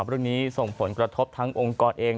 วันนี้ส่งผลกระทบทั้งองค์กรเอง